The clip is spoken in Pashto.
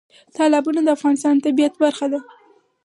تالابونه د افغانستان د طبیعت برخه ده.